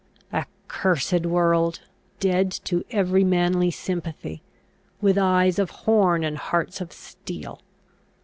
Accursed world! dead to every manly sympathy; with eyes of horn, and hearts of steel!